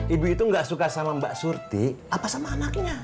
ibu itu gak suka sama mbak surti apa sama anaknya